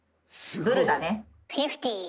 フィフティー。